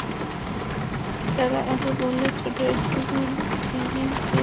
তারা আরও বলে, ছোট একটি ডিঙি দিয়ে দুই পাড়ের মানুষ পার হয়।